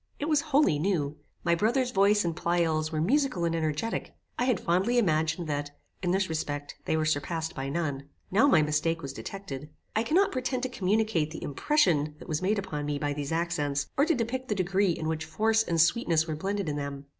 It was wholly new. My brother's voice and Pleyel's were musical and energetic. I had fondly imagined, that, in this respect, they were surpassed by none. Now my mistake was detected. I cannot pretend to communicate the impression that was made upon me by these accents, or to depict the degree in which force and sweetness were blended in them.